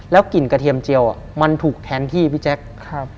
กลิ่นกระเทียมเจียวมันถูกแทนที่พี่แจ๊คครับ